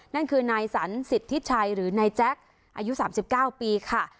นั่นคือนายสันสิทธิชัยหรือนายแจ๊คอายุ๓๙ปีค่ะ